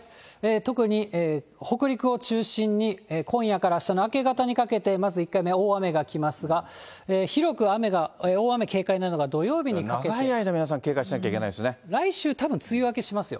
特に北陸を中心に、今夜からあしたの明け方にかけて、まず１回目、大雨が来ますが、広く雨が、長い間、皆さん警戒しなきゃ来週、たぶん梅雨明けしますよ。